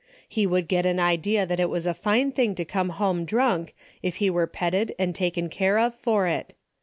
He would get an idea that it was a fine thing to come home drunk, if he were petted and taken care of for it.